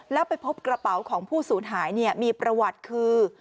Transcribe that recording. แล้วไปพบกระเป๋าของผู้สูญหายมีประวัติคือ